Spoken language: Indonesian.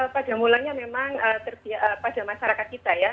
pada mulanya memang pada masyarakat kita ya